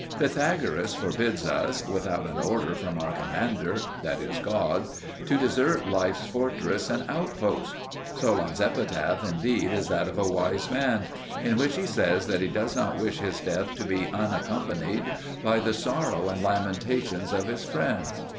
Pythagoras forbids us, without an order from our commander, that is God, to desert life's fortress and outpost. Solon's epitaph, indeed, is that of a wise man, in which he says that he does not wish his death to be unaccompanied by the sorrow and lamentations of his friends.